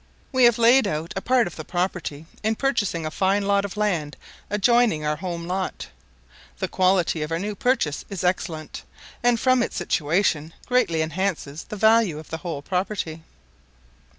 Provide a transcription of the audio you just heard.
We have laid out a part of the property in purchasing a fine lot of land adjoining our home lot. The quality of our new purchase is excellent, and, from its situation, greatly enhances the value of the whole property.